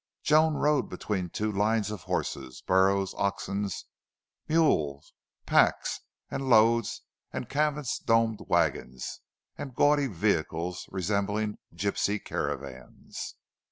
Joan rode between two lines of horses, burros, oxen, mules, packs and loads and canvas domed wagons and gaudy vehicles resembling gipsy caravans.